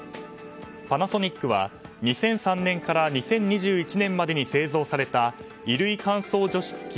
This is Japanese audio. パナソニックは２００３年から２０２１年までに販売された衣類乾燥除湿機